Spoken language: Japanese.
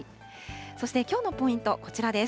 そしてきょうのポイント、こちらです。